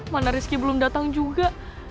mana rizky belum datang juga